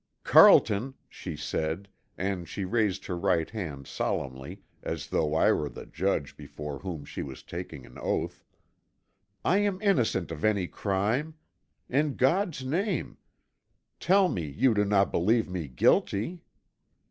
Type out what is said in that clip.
"Carlton," she said, and she raised her right hand solemnly, as though I were the judge before whom she was taking an oath, "I am innocent of any crime. In God's name, tell me you do not believe me guilty!"